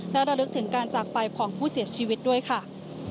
และระลึกถึงการจากไปของผู้เสียชีวิตด้วยค่ะ